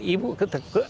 ibu keteguk agar